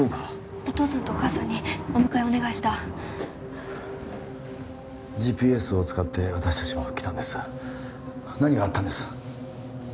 お父さんとお義母さんにお迎えお願いしたＧＰＳを使って私達も来たんです何があったんです？